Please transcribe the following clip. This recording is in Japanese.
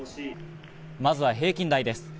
まずは平均台です。